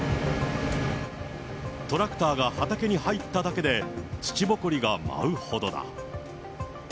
トラクターが畑に入っただけで、土ぼこりが舞うほどだ。